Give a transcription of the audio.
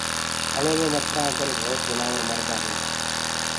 ٿݪو مي مڇرآنٚ ڪري ڀوت جنآور مردآئينٚ